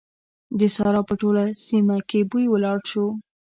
د سارا په ټوله سيمه کې بوی ولاړ شو.